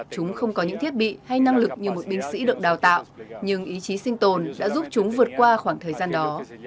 chúng không có những thiết bị hay năng lực như một binh sĩ được đào tạo nhưng ý chí sinh tồn đã giúp chúng vượt qua khoảng thời gian đó